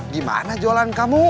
di mana jualan kamu